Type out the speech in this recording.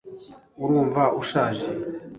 urumva ushaje